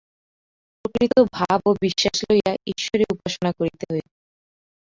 প্রকৃত ভাব ও বিশ্বাস লইয়া ঈশ্বরের উপাসনা করিতে হইবে।